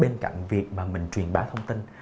bên cạnh việc mà mình truyền bá thông tin